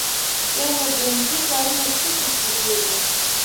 بیا نو برونزي کارونه څه دي چې ډېر وو.